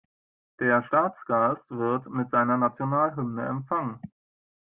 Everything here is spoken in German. Der Staatsgast wird mit seiner Nationalhymne empfangen.